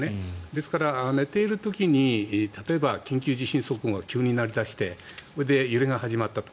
ですから、寝ている時に例えば緊急地震速報が急に鳴り出してそれで揺れが始まったと。